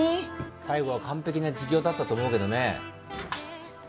最後は完璧な自供だったと思うけどね。